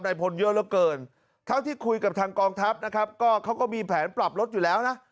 พลเยอะเหลือเกินเท่าที่คุยกับทางกองทัพนะครับก็เขาก็มีแผนปรับรถอยู่แล้วนะ